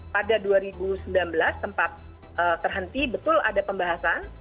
pada dua ribu sembilan belas sempat terhenti betul ada pembahasan